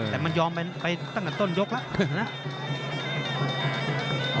แต่มันยอมไปตั้งแต่ต้นยกแล้วนะ